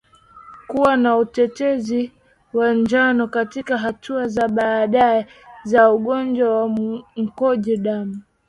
Kuwa na uteute wa njano katika hatua za baadaye za ugonjwa wa mkojo damu